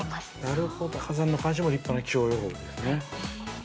◆なるほど、火山の監視も立派な気象情報ですね。